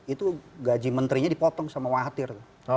itu gaji menterinya dipotong sama watir